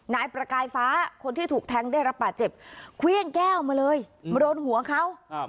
นายประกายฟ้าคนที่ถูกแทงได้รับบาดเจ็บเครื่องแก้วมาเลยมาโดนหัวเขา